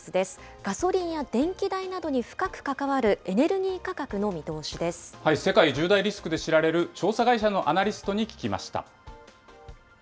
ガソリンや電気代などに深く関わ世界１０大リスクで知られる調査会社のアナリストに聞きました。